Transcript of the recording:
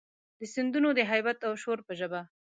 د سیندونو د هیبت او شور په ژبه،